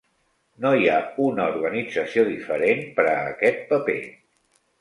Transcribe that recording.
No hi ha una organització diferent per a aquest paper.